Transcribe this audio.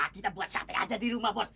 kita buat capek aja di rumah bos